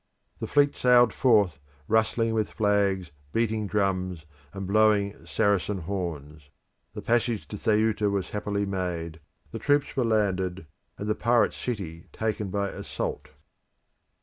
The fleet sailed forth, rustling with flags, beating drums, and, blowing Saracen horns; the passage to Ceuta was happily made; the troops were landed, and the pirate city taken by assault.